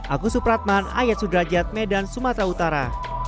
agus supratman ayat sudrajat medan sumatera utara